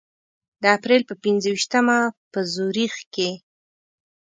د اپریل په پنځه ویشتمه په زوریخ کې.